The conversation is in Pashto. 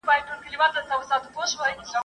او ښکلا ته دوهمه درجه ارزښت ورکړه سوی دی !.